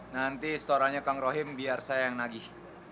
nanti setorannya kang rohim biar saya yang nagih